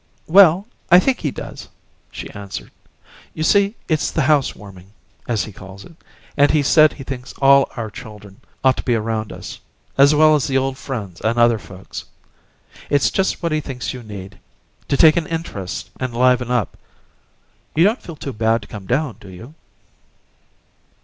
"Well, I think he does," she answered. "You see, it's the 'house warming,' as he calls it, and he said he thinks all our chuldern ought to be around us, as well as the old friends and other folks. It's just what he thinks you need to take an interest and liven up. You don't feel too bad to come down, do you?"